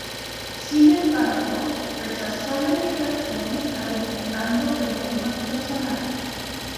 Sin embargo, rechazó la invitación argumentando problemas personales.